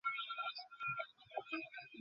তার ফুফাতো ভাই অক্টোবর মাসে মৃত্যুবরণ করে।